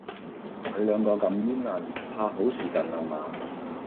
佢兩個咁煙韌，怕好事近啦嗎？